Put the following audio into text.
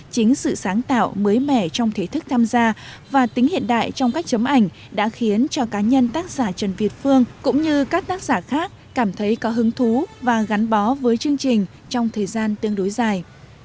chính sự sáng tạo mới mẻ trong thể thức tham gia và tính hiện đại trong cách chấm ảnh đã khiến cho cá nhân tác giả trần việt phương cũng như các tác giả khác cảm thấy có hứng thú và gắn bó với chương trình trong thời gian tương đối dài